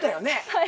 はい。